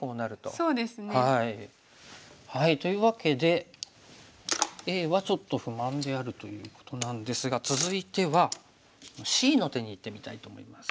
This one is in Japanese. そうですね。というわけでＡはちょっと不満であるということなんですが続いてはＣの手にいってみたいと思います。